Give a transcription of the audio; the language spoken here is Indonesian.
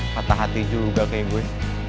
patah hati juga kayak gus